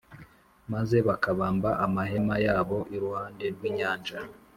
maze bakabamba amahema yabo iruhande rw’inyanja.